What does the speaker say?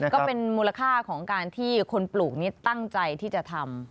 ก็เป็นมูลค่าของการที่คนปลูกนี้ตั้งใจที่จะทำ